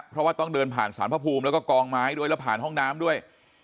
เพราะว่าต้องเดินผ่านสารพระภูมิแล้วก็กองไม้ด้วยแล้วผ่านห้องน้ำด้วย